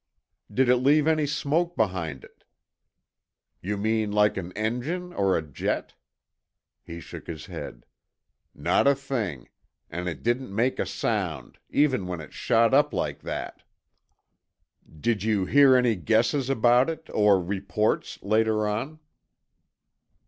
"Did it leave any smoke behind it?" "You mean like an engine, or a jet?" He shook his head. "Not a thing. And it didn't make a sound—even when it shot up like that." "Did you hear any guesses about it, or reports later on?"